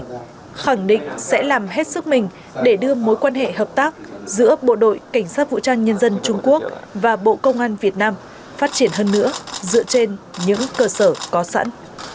chúng tôi khẳng định sẽ làm hết sức mình để đưa mối quan hệ hợp tác giữa bộ đội cảnh sát vũ trang nhân dân trung quốc và bộ công an việt nam phát triển hơn nữa dựa trên những cơ sở có sẵn